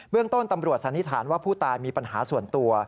เรื่องต้นตำรวจสันนิษฐานว่าผู้ตายมีปัญหาส่วนตัว